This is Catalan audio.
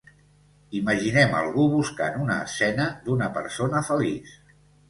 Imaginem algú buscant una escena d'una persona feliç.